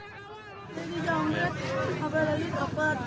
saya tidak tahu yang terjadi di bogor